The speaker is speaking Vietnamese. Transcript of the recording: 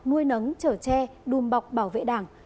nuôi nấng trở tre đùm bọc bảo vệ đảng